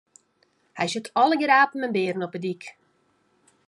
Hy sjocht allegear apen en bearen op 'e dyk.